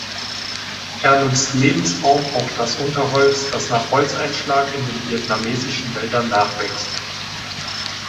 Er nutzt Lebensraum auch das Unterholz, das nach Holzeinschlag in den vietnamesischen Wäldern nachwächst.